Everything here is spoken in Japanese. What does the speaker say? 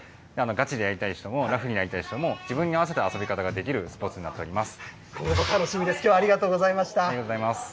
がちでやりたい人も、ラフにやりたい人も、自分に合わせた遊び方ができるスポーツになっております。